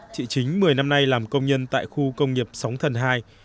chị chính một mươi năm nay làm công nhân tại khu công nghiệp sóng thần hai